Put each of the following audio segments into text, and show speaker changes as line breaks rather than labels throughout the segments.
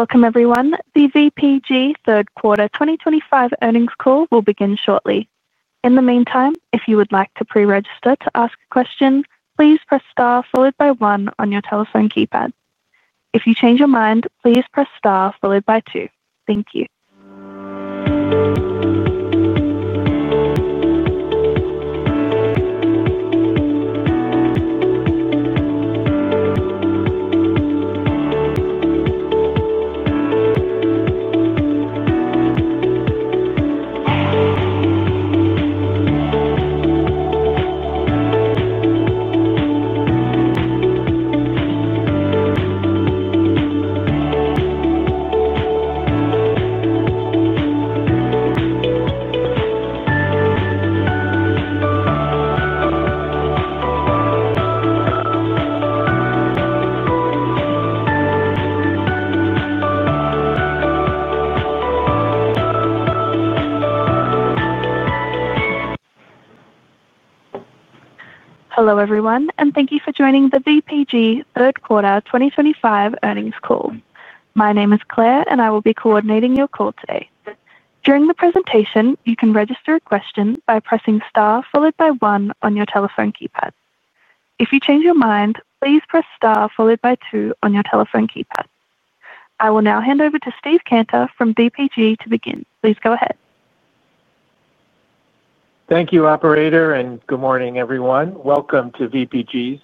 Welcome, everyone. The VPG third quarter 2025 earnings call will begin shortly. In the meantime, if you would like to pre-register to ask a question, please press star followed by one on your telephone keypad. If you change your mind, please press star followed by two. Thank you. Hello, everyone, and thank you for joining the VPG third quarter 2025 earnings call. My name is Claire, and I will be coordinating your call today. During the presentation, you can register a question by pressing star followed by one on your telephone keypad. If you change your mind, please press star followed by two on your telephone keypad. I will now hand over to Steve Cantor from VPG to begin. Please go ahead.
Thank you, Operator, and good morning, everyone. Welcome to VPG's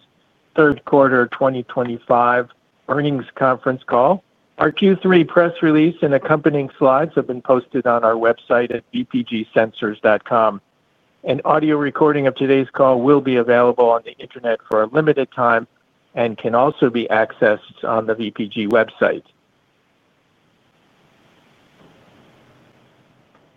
third quarter 2025 earnings conference call. Our Q3 press release and accompanying slides have been posted on our website at vpgsensors.com. An audio recording of today's call will be available on the internet for a limited time and can also be accessed on the VPG website.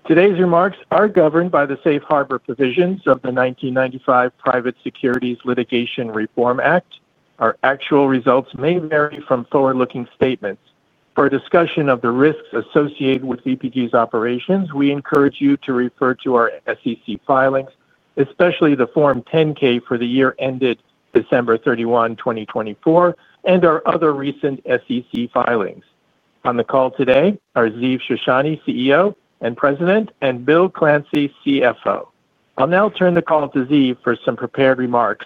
Today's remarks are governed by the safe harbor provisions of the 1995 Private Securities Litigation Reform Act. Our actual results may vary from forward-looking statements. For discussion of the risks associated with VPG's operations, we encourage you to refer to our SEC filings, especially the Form 10-K for the year ended December 31, 2024, and our other recent SEC filings. On the call today are Ziv Shoshani, CEO and President, and Bill Clancy, CFO. I'll now turn the call to Ziv for some prepared remarks.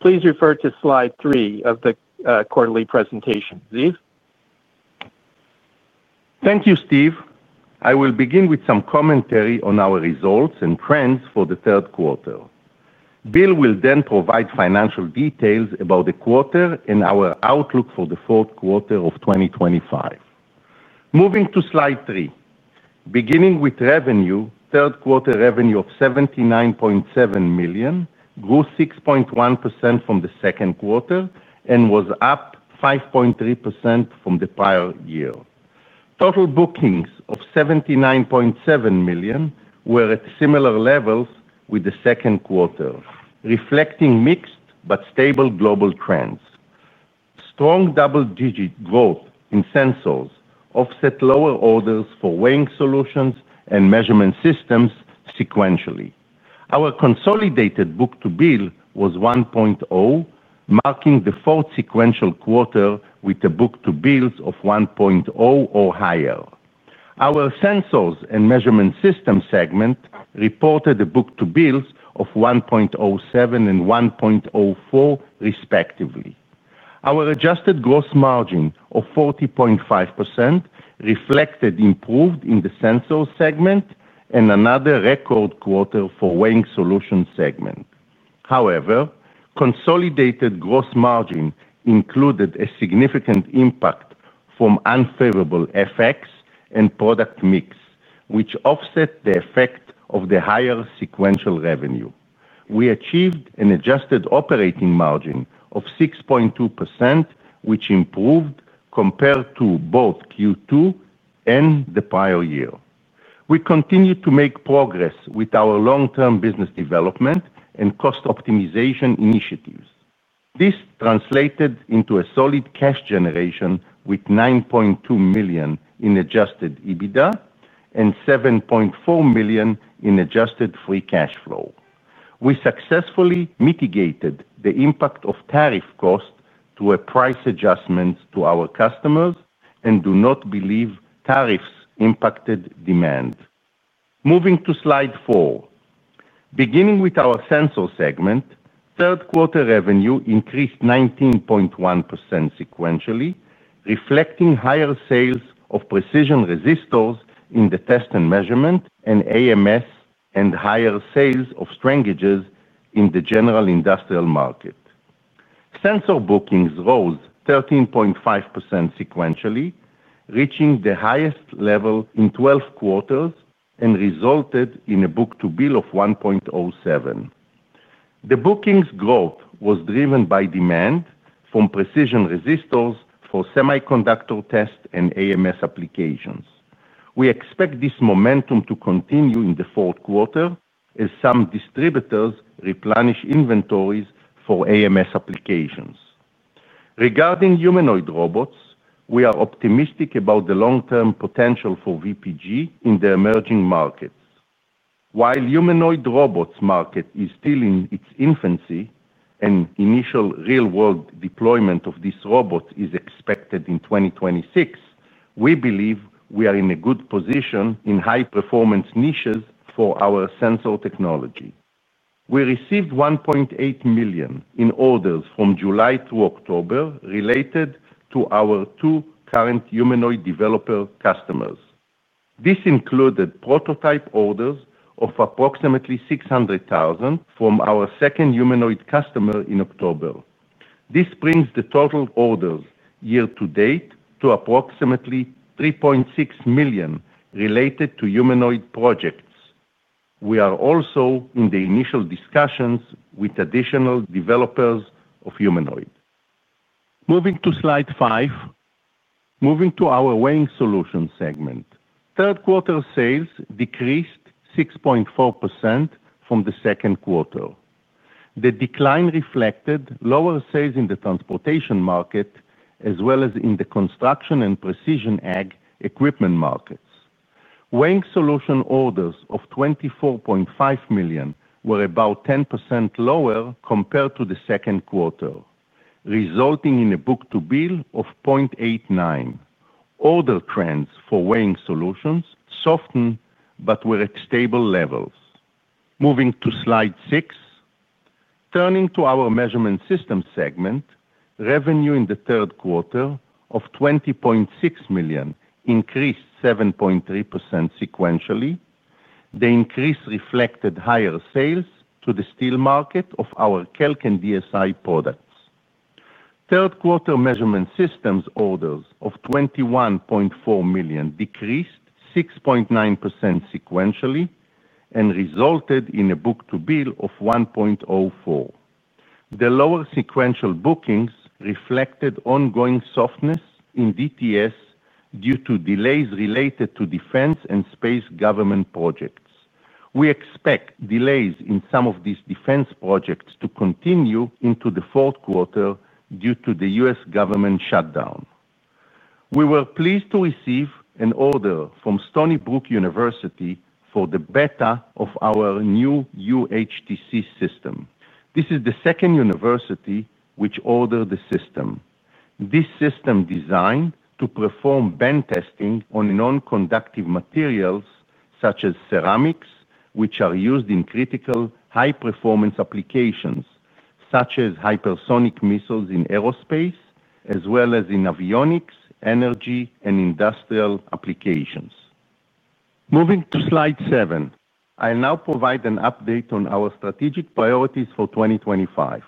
Please refer to slide three of the quarterly presentation. Ziv.
Thank you, Steve. I will begin with some commentary on our results and trends for the third quarter. Bill will then provide financial details about the quarter and our outlook for the fourth quarter of 2025. Moving to slide three, beginning with revenue, third quarter revenue of $79.7 million grew 6.1% from the second quarter and was up 5.3% from the prior year. Total bookings of $79.7 million were at similar levels with the second quarter, reflecting mixed but stable global trends. Strong double-digit growth in sensors offset lower orders for weighing solutions and measurement systems sequentially. Our consolidated book-to-bill was 1.0, marking the fourth sequential quarter with a book-to-bill of 1.0 or higher. Our sensors and measurement systems segment reported a book-to-bill of 1.07 and 1.04, respectively. Our adjusted gross margin of 40.5% reflected improvement in the sensors segment and another record quarter for weighing solutions segment. However, consolidated gross margin included a significant impact from unfavorable FX and product mix, which offset the effect of the higher sequential revenue. We achieved an adjusted operating margin of 6.2%, which improved compared to both Q2 and the prior year. We continue to make progress with our long-term business development and cost optimization initiatives. This translated into a solid cash generation with $9.2 million in adjusted EBITDA and $7.4 million in adjusted free cash flow. We successfully mitigated the impact of tariff costs to a price adjustment to our customers and do not believe tariffs impacted demand. Moving to slide four. Beginning with our sensor segment, third quarter revenue increased 19.1% sequentially, reflecting higher sales of precision resistors in the test and measurement and AMS and higher sales of strain gages in the general industrial market. Sensor bookings rose 13.5% sequentially, reaching the highest level in 12 quarters and resulted in a book-to-bill of 1.07. The bookings growth was driven by demand from precision resistors for semiconductor test and AMS applications. We expect this momentum to continue in the fourth quarter as some distributors replenish inventories for AMS applications. Regarding humanoid robots, we are optimistic about the long-term potential for VPG in the emerging markets. While the humanoid robots market is still in its infancy and initial real-world deployment of these robots is expected in 2026, we believe we are in a good position in high-performance niches for our sensor technology. We received $1.8 million in orders from July to October related to our two current humanoid developer customers. This included prototype orders of approximately $600,000 from our second humanoid customer in October. This brings the total orders year-to-date to approximately $3.6 million related to humanoid projects. We are also in the initial discussions with additional developers of humanoid. Moving to slide five. Moving to our weighing solutions segment. Third quarter sales decreased 6.4% from the second quarter. The decline reflected lower sales in the transportation market as well as in the construction and precision ag equipment markets. Weighing solutions orders of $24.5 million were about 10% lower compared to the second quarter, resulting in a book-to-bill of 0.89. Order trends for weighing solutions softened but were at stable levels. Moving to slide six. Turning to our measurement systems segment, revenue in the third quarter of $20.6 million increased 7.3% sequentially. The increase reflected higher sales to the steel market of our CAL and DSI products. Third quarter measurement systems orders of $21.4 million decreased 6.9% sequentially and resulted in a book-to-bill of 1.04. The lower sequential bookings reflected ongoing softness in DTS due to delays related to defense and space government projects. We expect delays in some of these defense projects to continue into the fourth quarter due to the U.S. government shutdown. We were pleased to receive an order from Stony Brook University for the beta of our new UHTC system. This is the second university which ordered the system. This system is designed to perform bend testing on non-conductive materials such as ceramics, which are used in critical high-performance applications such as hypersonic missiles in aerospace, as well as in avionics, energy, and industrial applications. Moving to slide seven, I'll now provide an update on our strategic priorities for 2025.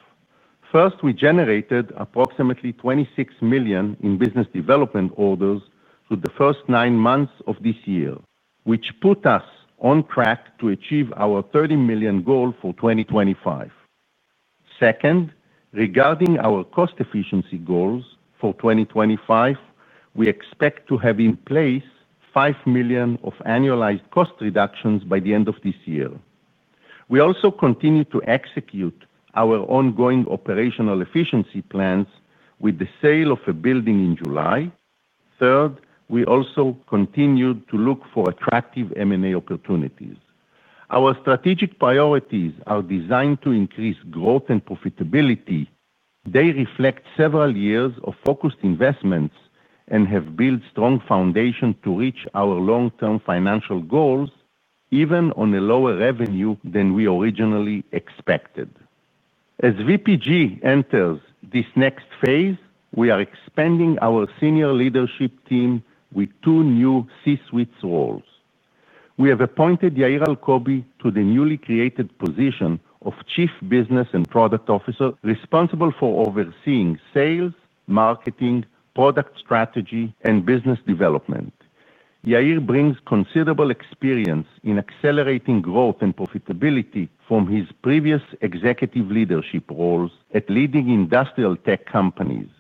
First, we generated approximately $26 million in business development orders through the first nine months of this year, which put us on track to achieve our $30 million goal for 2025. Second, regarding our cost efficiency goals for 2025, we expect to have in place $5 million of annualized cost reductions by the end of this year. We also continue to execute our ongoing operational efficiency plans with the sale of a building in July. Third, we also continued to look for attractive M&A opportunities. Our strategic priorities are designed to increase growth and profitability. They reflect several years of focused investments and have built a strong foundation to reach our long-term financial goals, even on a lower revenue than we originally expected. As VPG enters this next phase, we are expanding our senior leadership team with two new C-suite roles. We have appointed Yair Alcobi to the newly created position of Chief Business and Product Officer, responsible for overseeing sales, marketing, product strategy, and business development. Yair brings considerable experience in accelerating growth and profitability from his previous executive leadership roles at leading industrial tech companies,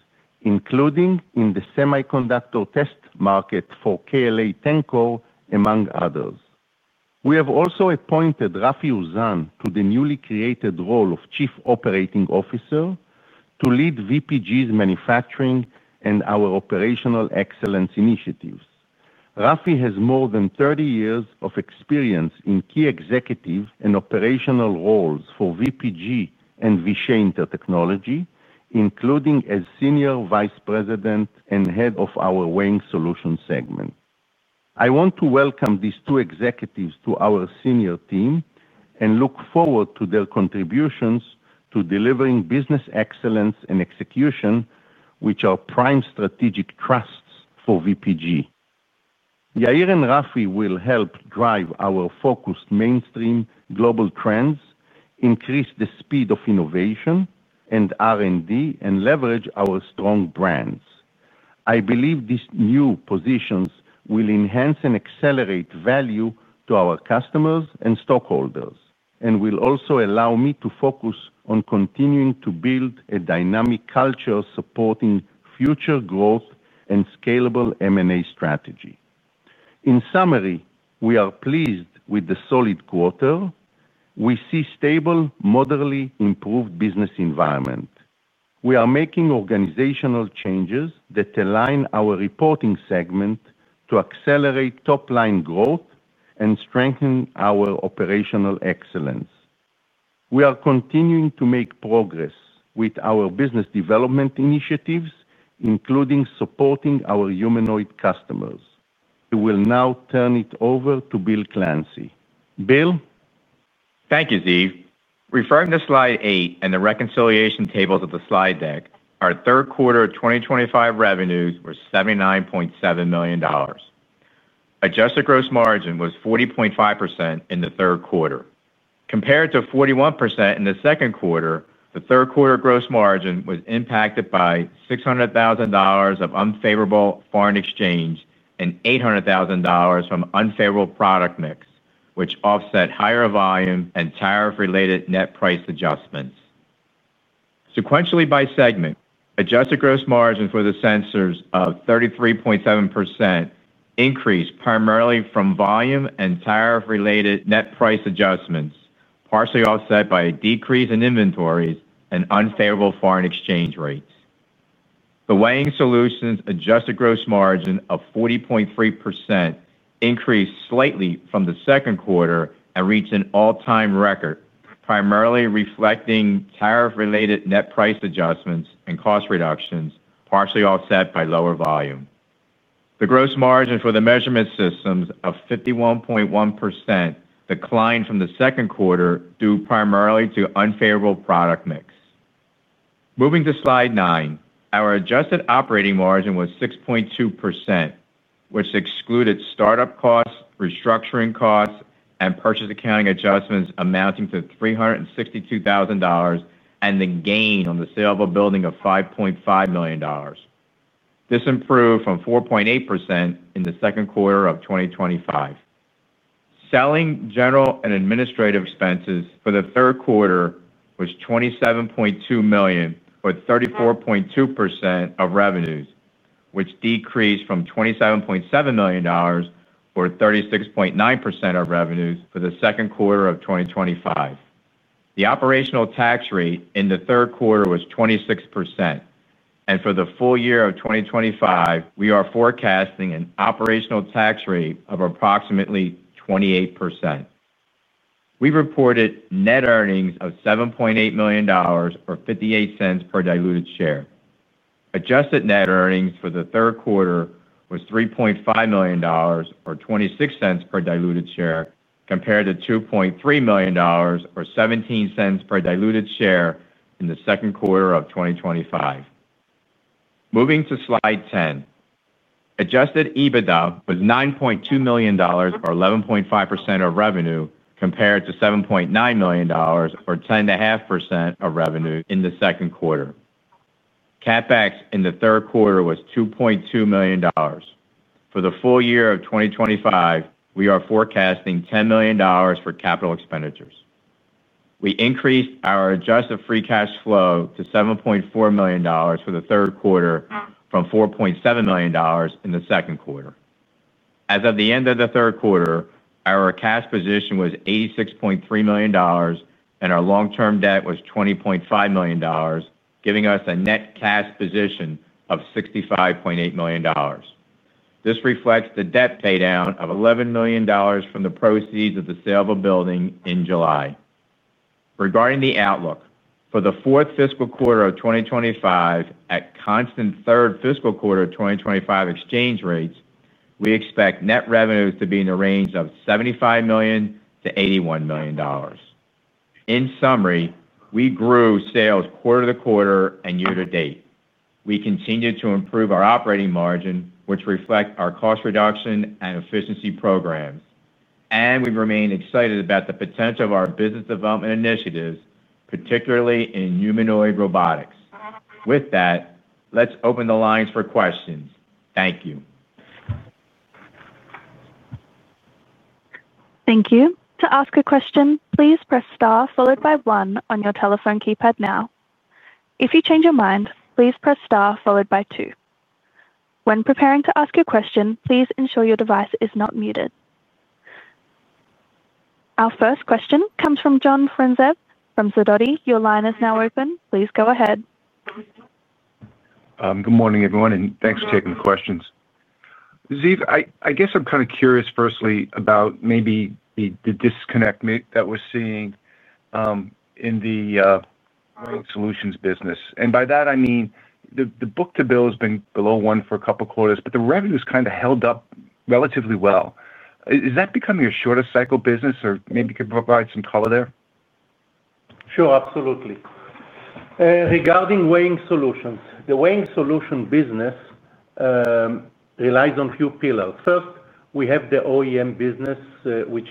including in the semiconductor test market for KLA-Tencor, among others. We have also appointed Rafi Uzan to the newly created role of Chief Operating Officer to lead VPG's manufacturing and our operational excellence initiatives. Rafi has more than 30 years of experience in key executive and operational roles for VPG and Vishay Intertechnology, including as Senior Vice President and Head of our weighing solutions segment. I want to welcome these two executives to our senior team and look forward to their contributions to delivering business excellence and execution, which are prime strategic thrusts for VPG. Yair and Rafi will help drive our focused mainstream global trends, increase the speed of innovation and R&D, and leverage our strong brands. I believe these new positions will enhance and accelerate value to our customers and stockholders and will also allow me to focus on continuing to build a dynamic culture supporting future growth and scalable M&A strategy. In summary, we are pleased with the solid quarter. We see a stable, moderately improved business environment. We are making organizational changes that align our reporting segment to accelerate top-line growth and strengthen our operational excellence. We are continuing to make progress with our business development initiatives, including supporting our humanoid customers. I will now turn it over to Bill Clancy. Bill.
Thank you, Steve. Referring to slide eight and the reconciliation tables of the slide deck, our third quarter 2025 revenues were $79.7 million. Adjusted gross margin was 40.5% in the third quarter. Compared to 41% in the second quarter, the third quarter gross margin was impacted by $600,000 of unfavorable foreign exchange and $800,000 from unfavorable product mix, which offset higher volume and tariff-related net price adjustments. Sequentially by segment, adjusted gross margin for the sensors of 33.7% increased primarily from volume and tariff-related net price adjustments, partially offset by a decrease in inventories and unfavorable foreign exchange rates. The weighing solution's adjusted gross margin of 40.3% increased slightly from the second quarter and reached an all-time record, primarily reflecting tariff-related net price adjustments and cost reductions, partially offset by lower volume. The gross margin for the measurement systems of 51.1% declined from the second quarter due primarily to unfavorable product mix. Moving to slide nine, our adjusted operating margin was 6.2%, which excluded startup costs, restructuring costs, and purchase accounting adjustments amounting to $362,000 and the gain on the sale of a building of $5.5 million. This improved from 4.8% in the second quarter of 2025. Selling, general, and administrative expenses for the third quarter was $27.2 million or 34.2% of revenues, which decreased from $27.7 million or 36.9% of revenues for the second quarter of 2025. The operational tax rate in the third quarter was 26%, and for the full year of 2025, we are forecasting an operational tax rate of approximately 28%. We reported net earnings of $7.8 million or $0.58 per diluted share. Adjusted net earnings for the third quarter was $3.5 million or $0.26 per diluted share compared to $2.3 million or $0.17 per diluted share in the second quarter of 2025. Moving to slide 10, adjusted EBITDA was $9.2 million or 11.5% of revenue compared to $7.9 million or 10.5% of revenue in the second quarter. CapEx in the third quarter was $2.2 million. For the full year of 2025, we are forecasting $10 million for capital expenditures. We increased our adjusted free cash flow to $7.4 million for the third quarter from $4.7 million in the second quarter. As of the end of the third quarter, our cash position was $86.3 million, and our long-term debt was $20.5 million, giving us a net cash position of $65.8 million. This reflects the debt paydown of $11 million from the proceeds of the sale of a building in July. Regarding the outlook, for the fourth fiscal quarter of 2025, at constant third fiscal quarter 2025 exchange rates, we expect net revenues to be in the range of $75-$81 million. In summary, we grew sales quarter to quarter and year to date. We continue to improve our operating margin, which reflects our cost reduction and efficiency programs, and we remain excited about the potential of our business development initiatives, particularly in humanoid robotics. With that, let's open the lines for questions. Thank you.
Thank you. To ask a question, please press star followed by one on your telephone keypad now. If you change your mind, please press star followed by two. When preparing to ask a question, please ensure your device is not muted. Our first question comes from John Franzreb from Sidoti & Company. Your line is now open. Please go ahead.
Good morning, everyone, and thanks for taking the questions. Ziv, I guess I'm kind of curious firstly about maybe the disconnect that we're seeing in the weighing solutions business. And by that, I mean the book-to-bill has been below one for a couple of quarters, but the revenue has kind of held up relatively well. Is that becoming a shorter cycle business or maybe could provide some color there?
Sure, absolutely. Regarding weighing solutions, the weighing solution business relies on a few pillars. First, we have the OEM business, which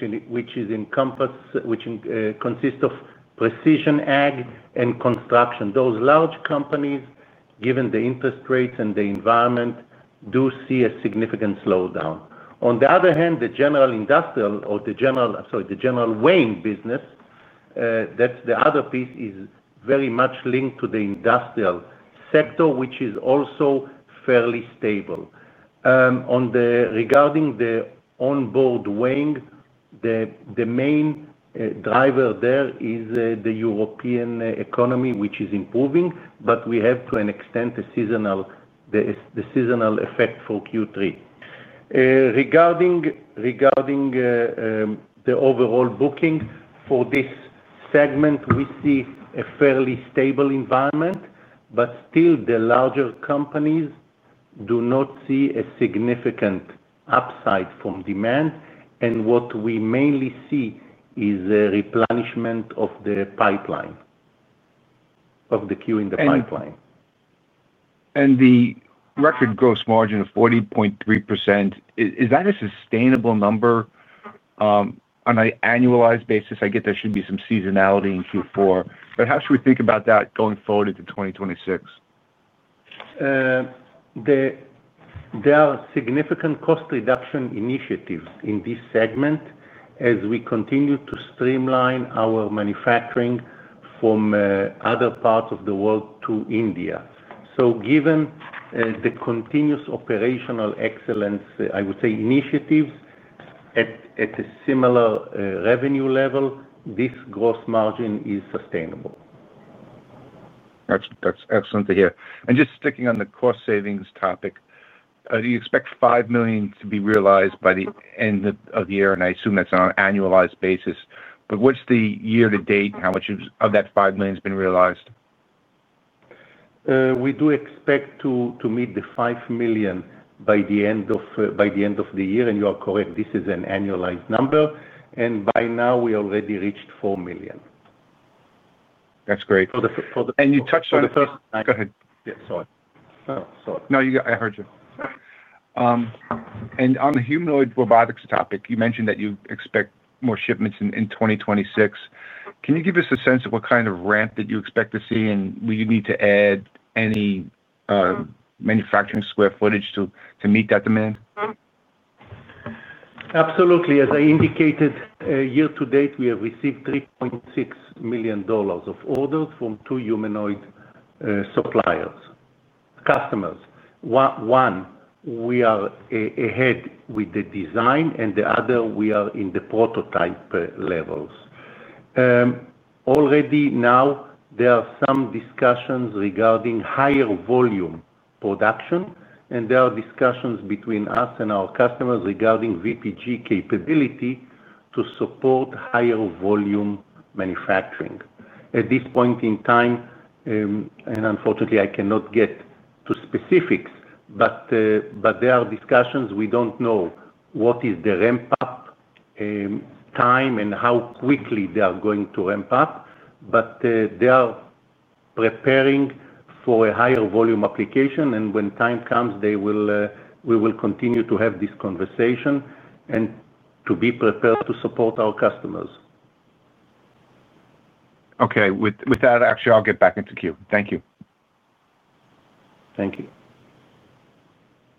consists of precision ag and construction. Those large companies, given the interest rates and the environment, do see a significant slowdown. On the other hand, the general industrial or the general, sorry, the general weighing business. That's the other piece is very much linked to the industrial sector, which is also fairly stable. Regarding the onboard weighing, the main driver there is the European economy, which is improving, but we have, to an extent, the seasonal effect for Q3. Regarding the overall booking for this segment, we see a fairly stable environment, but still, the larger companies do not see a significant upside from demand. And what we mainly see is a replenishment of the pipeline of the queue in the pipeline.
And the record gross margin of 40.3%, is that a sustainable number? On an annualized basis? I get there should be some seasonality in Q4, but how should we think about that going forward into 2026?
There are significant cost reduction initiatives in this segment as we continue to streamline our manufacturing from other parts of the world to India. So given the continuous operational excellence, I would say initiatives. At a similar revenue level, this gross margin is sustainable.
That's excellent to hear. And just sticking on the cost savings topic, do you expect $5 million to be realized by the end of the year? And I assume that's on an annualized basis. But what's the year-to-date and how much of that $5 million has been realized?
We do expect to meet the $5 million by the end of the year. And you are correct, this is an annualized number. And by now, we already reached $4 million.
That's great. And you touched on the first go ahead.
Yeah, sorry.
No, I heard you. And on the humanoid robotics topic, you mentioned that you expect more shipments in 2026. Can you give us a sense of what kind of ramp that you expect to see? And will you need to add any manufacturing square footage to meet that demand?
Absolutely. As I indicated, year to date, we have received $3.6 million of orders from two humanoid suppliers, customers. One, we are ahead with the design, and the other, we are in the prototype levels. Already now, there are some discussions regarding higher volume production, and there are discussions between us and our customers regarding VPG capability to support higher volume manufacturing at this point in time. And unfortunately, I cannot get to specifics, but there are discussions. We don't know what is the ramp-up time and how quickly they are going to ramp up. But they are preparing for a higher volume application. And when time comes, we will continue to have this conversation and to be prepared to support our customers.
Okay. With that, actually, I'll get back into queue. Thank you.
Thank you.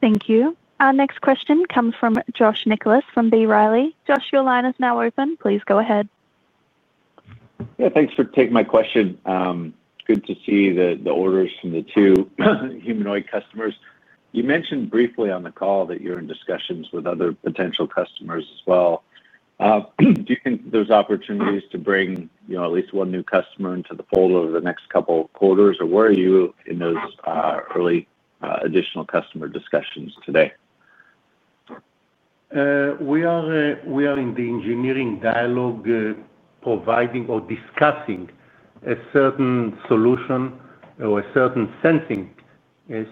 Thank you. Our next question comes from Josh Nichols from B. Riley. Josh, your line is now open. Please go ahead.
Yeah, thanks for taking my question. Good to see the orders from the two humanoid customers. You mentioned briefly on the call that you're in discussions with other potential customers as well. Do you think there's opportunities to bring at least one new customer into the fold over the next couple of quarters, or where are you in those early additional customer discussions today?
We are in the engineering dialogue, providing or discussing a certain solution or a certain sensing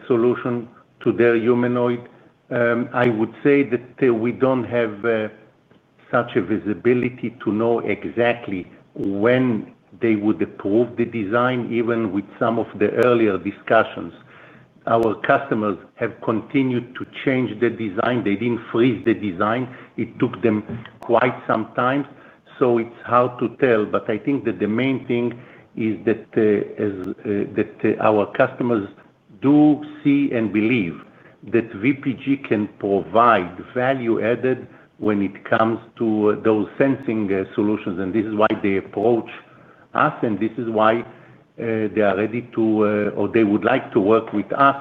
solution to their humanoid. I would say that we don't have such a visibility to know exactly when they would approve the design, even with some of the earlier discussions. Our customers have continued to change the design. They didn't freeze the design. It took them quite some time, so it's hard to tell. But I think that the main thing is that our customers do see and believe that VPG can provide value added when it comes to those sensing solutions, and this is why they approach us, and this is why they are ready to, or they would like to work with us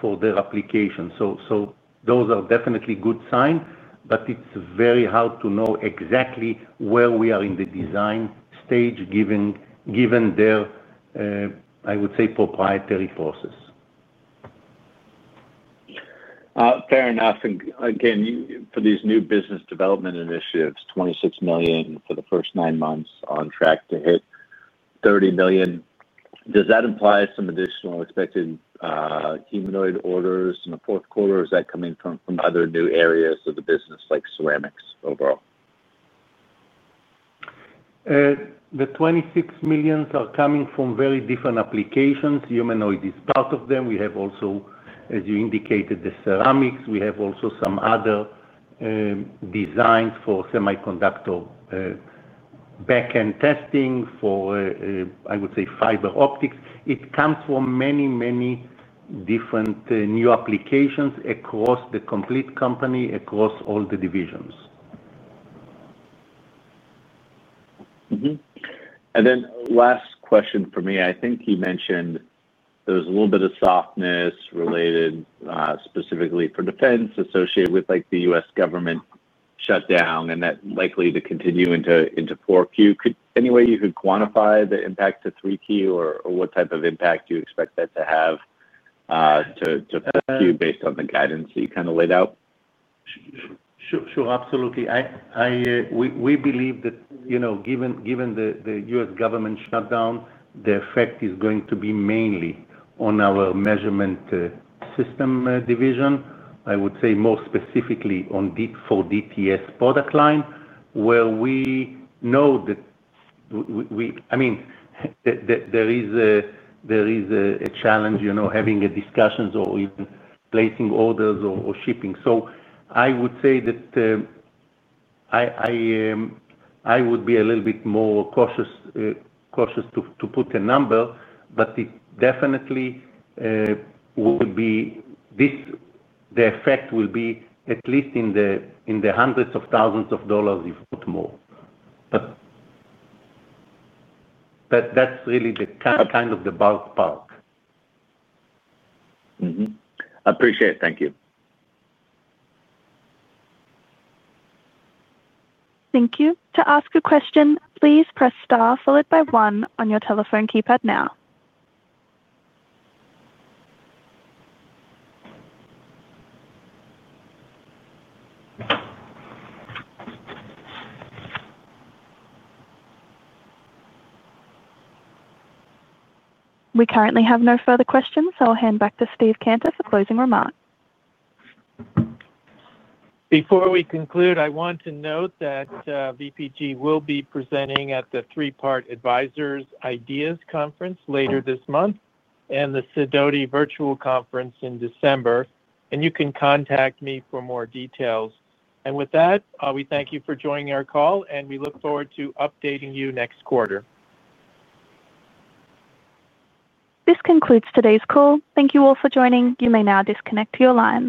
for their application, so those are definitely good signs, but it's very hard to know exactly where we are in the design stage, given their, I would say, proprietary process.
Fair enough. And again, for these new business development initiatives, $26 million for the first nine months on track to hit $30 million. Does that imply some additional expected humanoid orders in the fourth quarter, or is that coming from other new areas of the business, like ceramics overall?
The 26 million are coming from very different applications. Humanoid is part of them. We have also, as you indicated, the ceramics. We have also some other designs for semiconductor backend testing for, I would say, fiber optics. It comes from many, many different new applications across the complete company, across all the divisions.
And then last question for me. I think you mentioned there was a little bit of softness related specifically for defense associated with the U.S. government shutdown, and that likely to continue into 4Q. Any way you could quantify the impact to 3Q or what type of impact you expect that to have to 4Q based on the guidance that you kind of laid out?
Sure. Absolutely. We believe that given the U.S. government shutdown, the effect is going to be mainly on our measurement systems division. I would say more specifically on the DTS product line, where we know that. I mean. There is a challenge having discussions or even placing orders or shipping. So I would say that. I would be a little bit more cautious to put a number, but it definitely would be. The effect will be at least in the hundreds of thousands of dollars, if not more. But. That's really the kind of ballpark.
I appreciate it. Thank you.
Thank you. To ask a question, please press star followed by one on your telephone keypad now. We currently have no further questions, so I'll hand back to Steve Cantor for closing remarks.
Before we conclude, I want to note that VPG will be presenting at the three-part advisors' ideas conference later this month and the Sidoti virtual conference in December. And you can contact me for more details. And with that, we thank you for joining our call, and we look forward to updating you next quarter.
This concludes today's call. Thank you all for joining. You may now disconnect your lines.